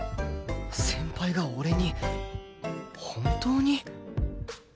先輩が俺に本当に？